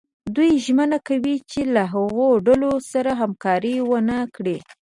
دوی ژمنه کوي چې له هغو ډلو سره همکاري ونه کړي.